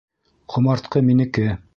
Ҡомартҡы минеке!